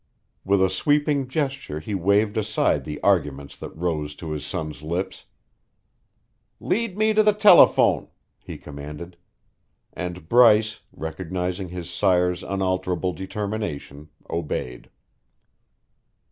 With a sweeping gesture he waved aside the arguments that rose to his son's lips. "Lead me to the telephone," he commanded; and Bryce, recognizing his sire's unalterable determination, obeyed.